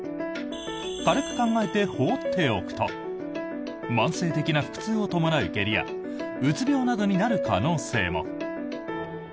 軽く考えて放っておくと慢性的な腹痛を伴う下痢やうつ病などになる可能性も。